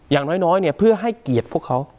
อย่างน้อยเนี่ยเพื่อให้เกียรติพวกเขา